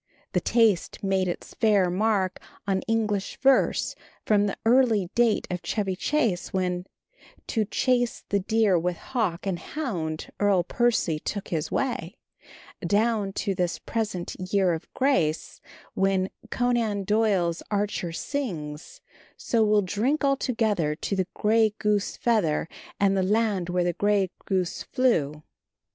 The taste made its fair mark on English verse from the early date of Chevy Chase, when, To chase the deer with hawk and hound Earl Percy took his way, down to this present year of grace, when Conan Doyle's archer sings: So we'll drink all together To the grey goose feather, And the land where the grey goose flew.